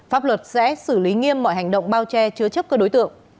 pháp luật sẽ xử lý nghiêm mọi hành động bao che chứa chấp các đối tượng